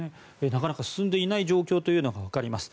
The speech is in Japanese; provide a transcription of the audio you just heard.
なかなか進んでいない状況というのがわかります。